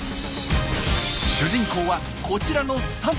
主人公はこちらの３頭。